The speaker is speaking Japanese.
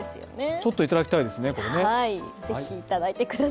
ちょっといただきたいですね。